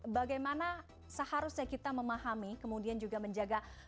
bagaimana seharusnya kita memahami kemudian juga menjaga